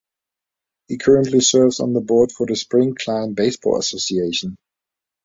He currently serves on the board for the Spring Klein Baseball Association.